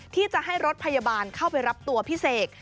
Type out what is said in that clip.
ที่จะให้รถพยาบาลเข้าไปรับตัวพี่เสก